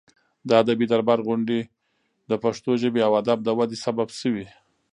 د ادبي دربار غونډې د پښتو ژبې او ادب د ودې سبب شوې.